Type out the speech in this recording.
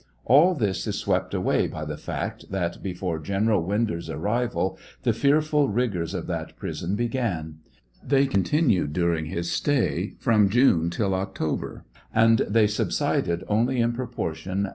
All this is swept away by the fact that before General Winder's arrival the fearful rigors of that prison began ; they contmned ■during his stay, from June till October, and they subsided only in proportion 778 TRIAL OF HENRY WIRZ.